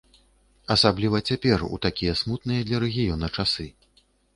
Асабліва цяпер, у такія смутныя для рэгіёна часы.